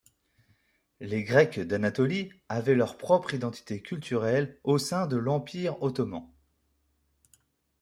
Les Grecs d’Anatolie avaient leur propre identité culturelle au sein de l’Empire ottoman.